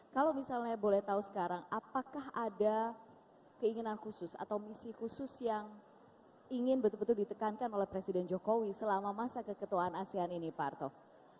kalau misalnya boleh tahu sekarang apakah ada keinginan khusus atau misi khusus yang ingin betul betul ditekankan oleh presiden jokowi selama masa keketuaan asean ini pak arto